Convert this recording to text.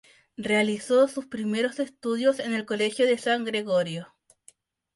Realizó sus primeros estudios en el Colegio de San Gregorio.